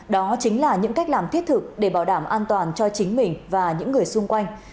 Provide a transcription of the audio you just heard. đó chính là những cách làm thiết thực để bảo đảm an toàn cho chính mình và những người xung quanh